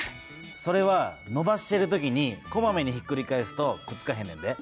それはのばしてる時にこまめにひっくり返すとくっつかへんねんで。